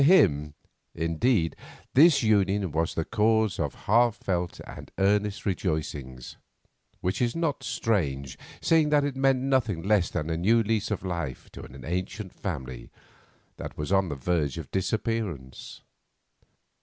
To him, indeed, this union was the cause of heartfelt and earnest rejoicings, which is not strange, seeing that it meant nothing less than a new lease of life to an ancient family that was on the verge of disappearance.